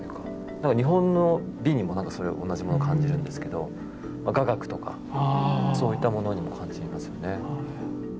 何か日本の美にもそれ同じものを感じるんですけど雅楽とかそういったものにも感じれますよね。